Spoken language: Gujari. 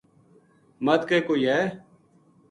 مدھ کوئے ہے